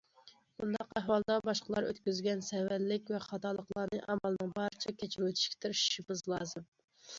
بۇنداق ئەھۋالدا باشقىلار ئۆتكۈزگەن سەۋەنلىك ۋە خاتالىقلارنى ئامالنىڭ بارىچە كەچۈرۈۋېتىشكە تىرىشىشىمىز لازىم.